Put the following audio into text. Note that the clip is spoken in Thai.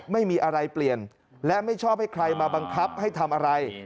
ไม่มีอะไรเปลี่ยนและไม่ชอบให้ใครมาบังคับให้ทำอะไร